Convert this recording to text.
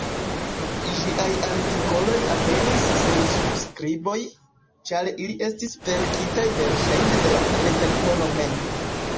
Ĝiaj artikoloj aperis sen subskriboj, ĉar ili estis verkitaj verŝajne de la redaktoro mem.